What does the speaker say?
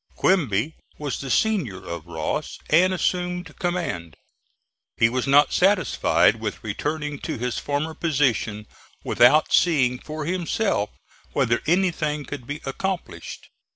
Quinby was the senior of Ross, and assumed command. He was not satisfied with returning to his former position without seeing for himself whether anything could be accomplished.